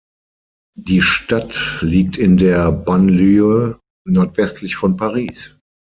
Die Stadt liegt in der Banlieue nordwestlich von Paris.